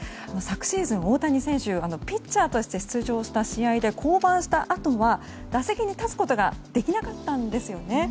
昨シーズン、大谷選手ピッチャーとして出場した試合で降板したあとは打席に立つことができなかったんです。